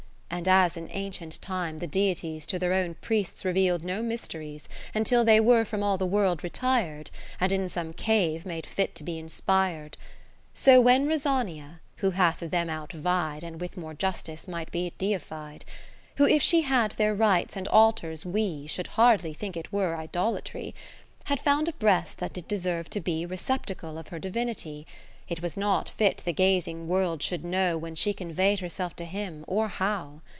And as in ancient time the Deities To their own priests reveal'd no mysteries lo Until they were from all the World retir'd, And in some cave made fit to be inspir'd. So when Rosania (who hath them out vied. And with more justice might be deified ; Who if she had their rites and altars, we Should hardly think it were idolatry) Had found a breast that did deserve to be Receptacle of her Divinity; It was not fit the gazing World should know When she convey'd Tierself to him, or how.